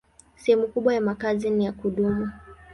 Sehemu kubwa ya makazi ni ya kudumu.